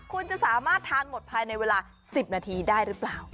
คุณจะสามารถทานหมดภายในเวลา๑๐นาทีได้หรือเปล่า